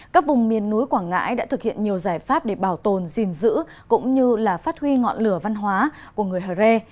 các vùng miền núi quảng ngãi đã thực hiện nhiều giải pháp để bảo tồn gìn giữ cũng như là phát huy ngọn lửa văn hóa của người hờ re